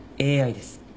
ＡＩです。